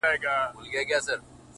بم دی ټوپکوال ولاړ دي”